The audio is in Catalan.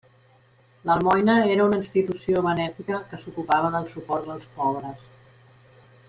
L'Almoina era una institució benèfica que s'ocupava del suport dels pobres.